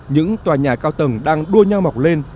những tòa nhà cao tầng đang đua nhau mọc lên